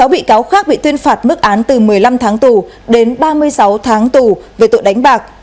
sáu bị cáo khác bị tuyên phạt mức án từ một mươi năm tháng tù đến ba mươi sáu tháng tù về tội đánh bạc